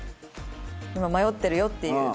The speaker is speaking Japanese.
今迷ってるよっていう。